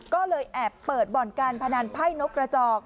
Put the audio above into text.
ก็เลยแอบเปิดบ่อนการพนันไพ่นกกระจอก